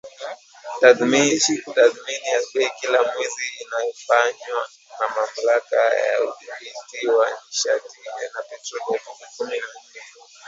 tathmini ya bei kila mwezi inayofanywa na Mamlaka ya Udhibiti wa Nishati na Petroli Aprili kumi na nne